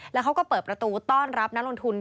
แล้วเขาก็เปิดประตูต้อนรับนักลงทุน